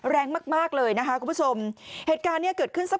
เห็นหรือครับ